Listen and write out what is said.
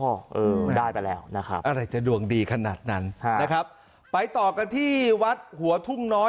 เออได้ไปแล้วนะครับอะไรจะดวงดีขนาดนั้นนะครับไปต่อกันที่วัดหัวทุ่งน้อย